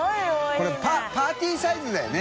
これパーティーサイズだよね。